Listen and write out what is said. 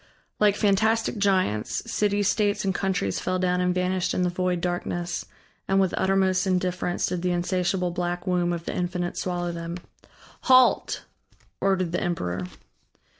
Like fantastic giants, cities, states, and countries fell down and vanished in the void darkness and with uttermost indifference did the insatiable black womb of the Infinite swallow them. "Halt!" ordered the emperor.